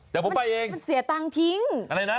เดี๋ยวผมไปเองมันเสียตังค์ทิ้งอะไรนะ